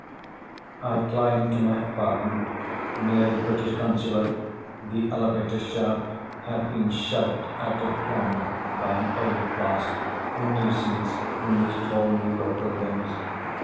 I climbed to my apartment near the British Consulate; the elevator shaft had been shoved out of plumb by an old blast, a nuisance in these tall New York buildings.